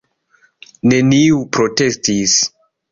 Neniu protestis.